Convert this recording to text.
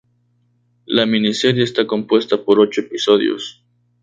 La miniserie está compuesta por ocho episodios.